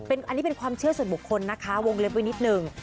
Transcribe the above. อันนี้เป็นความเชื่อส่วนบุคคลนะคะวงเล็บไว้นิดหนึ่ง